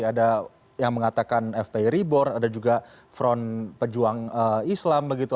ada yang mengatakan fpi rebor ada juga front pejuang islam begitu